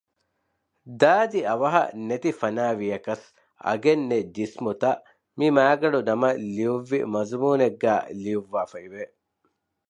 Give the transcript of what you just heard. ދާދި އަވަހަށް ނެތިފަނާވިޔަކަސް އަގެއްނެތް ޖިސްމުތައް މި މައިގަނޑުނަމަށް ލިޔުއްވި މަޒުމޫނެއްގައި ލިޔުއްވާފައިވެ